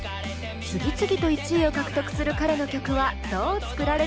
次々と１位を獲得する彼の曲はどう作られているのか。